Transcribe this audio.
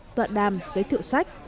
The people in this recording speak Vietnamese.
tọa đàm giới thiệu sách